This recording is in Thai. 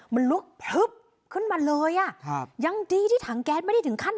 มันลุกพลึบขึ้นมาเลยอ่ะครับยังดีที่ถังแก๊สไม่ได้ถึงขั้น